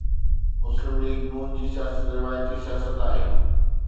مسلم ليگ ن جي سياست روايتي سياست آهي.